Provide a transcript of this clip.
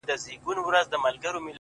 ها د فلسفې خاوند ها شتمن شاعر وايي!